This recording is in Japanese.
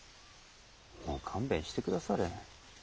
もう勘弁してくだされ。